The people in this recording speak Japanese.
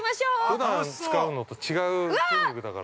◆ふだん使うのと違う筋肉だから。